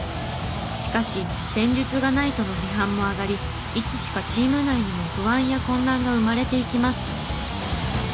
しかし戦術がないとの批判も上がりいつしかチーム内にも不安や混乱が生まれていきます。